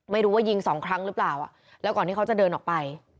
ไม่รู้ว่ายิงสองครั้งหรือเปล่าแล้วก่อนที่เขาจะเดินออกไป